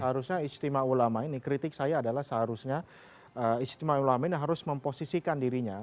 harusnya istimewa ulama ini kritik saya adalah seharusnya istimewa ulama ini harus memposisikan dirinya